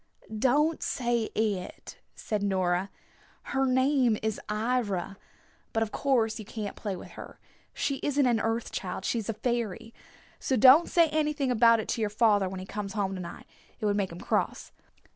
"Don't say 'It,'" said Nora. "Her name is 'Ivra.' But of course you can't play with her. She isn't an Earth Child. She's a fairy. So don't say anything about it to your father when he comes home to night. It would make him cross."